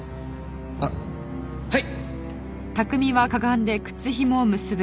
あっはい。